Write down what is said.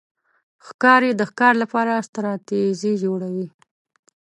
ښکاري د ښکار لپاره ستراتېژي جوړوي.